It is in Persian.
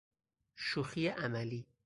شوخی عملی